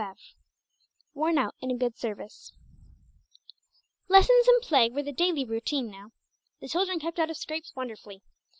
XV "WORN OUT IN A GOOD SERVICE" Lessons and play were the daily routine now. The children kept out of scrapes wonderfully.